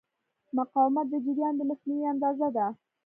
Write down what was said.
مقاومت د جریان د مخنیوي اندازه ده.